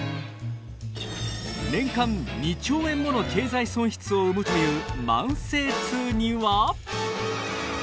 年間２兆円もの経済損失を生むという慢性痛には。